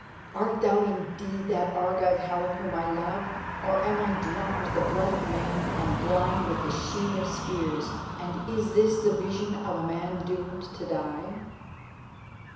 "Art thou indeed that Argive Helen whom I love, or am I drunk with the blood of men and blind with the sheen of spears, and is this the vision of a man doomed to die?"